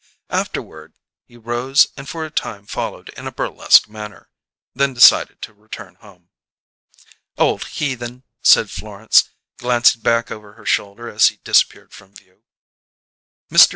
Afterward he rose and for a time followed in a burlesque manner; then decided to return home. "Old heathen!" said Florence, glancing back over her shoulder as he disappeared from view. Mr.